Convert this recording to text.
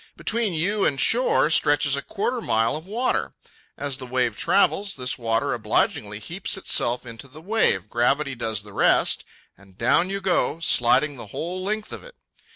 Between you and shore stretches a quarter of mile of water. As the wave travels, this water obligingly heaps itself into the wave, gravity does the rest, and down you go, sliding the whole length of it.